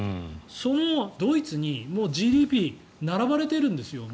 そのドイツにもうＧＤＰ、並ばれてるんですよ。